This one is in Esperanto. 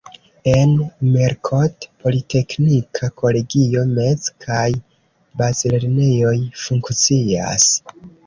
En Umerkot politeknika kolegio, mez- kaj bazlernejoj funkcias.